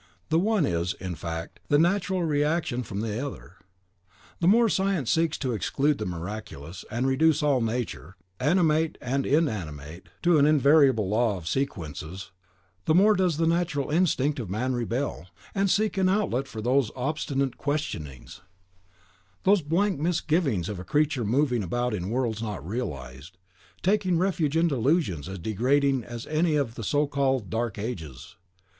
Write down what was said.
"The one is, in fact, the natural reaction from the other. The more science seeks to exclude the miraculous, and reduce all nature, animate and inanimate, to an invariable law of sequences, the more does the natural instinct of man rebel, and seek an outlet for those obstinate questionings, those 'blank misgivings of a creature moving about in worlds not realised,' taking refuge in delusions as degrading as any of the so called Dark Ages."